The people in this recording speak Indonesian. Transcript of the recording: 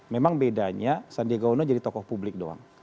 memang bedanya sandiaga uno jadi tokoh publik doang